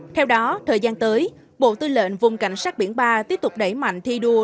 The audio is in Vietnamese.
theo đó thời gian tới bộ tư lệnh vùng cảnh sát biển ba tiếp tục đẩy mạnh thi đua